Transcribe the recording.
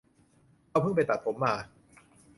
เราเพิ่งไปตัดผมมา